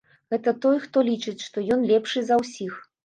Гэта той, хто лічыць, што ён лепшы за ўсіх.